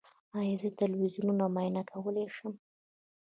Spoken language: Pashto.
ایا زه تلویزیوني معاینه کولی شم؟